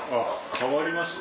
変わりました？